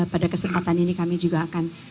pada kesempatan ini kami juga akan